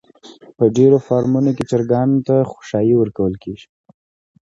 په ډېرو فارمونو کې چرگانو ته خؤشايه ورکول کېږي.